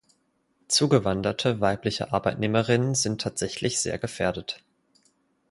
Zugewanderte weibliche Arbeitnehmerinnen sind tatsächlich sehr gefährdet.